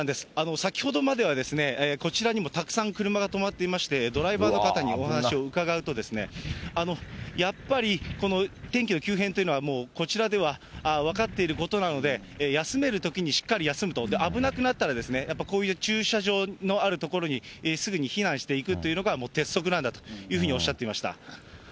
先ほどまではこちらにもたくさん車が止まっていまして、ドライバーの方にお話を伺うと、やっぱりこの天気の急変というのは、こちらでは分かっていることなので、休めるときにしっかり休むと、危なくなったらやっぱこういう駐車場のある所に、すぐに避難していくというのが鉄則なんだというふうにおっしゃっていました。